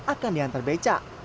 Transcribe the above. akan diantar beca